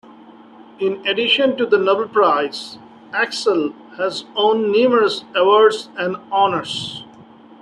In addition to the Nobel Prize, Axel has won numerous awards and honors.